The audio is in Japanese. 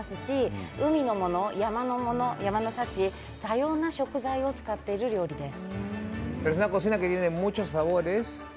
海のもの、山のものと海の幸多様な食材を使っている料理です。